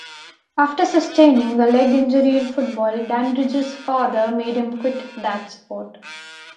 After sustaining a leg injury in football, Dandridge's father made him quit that sport.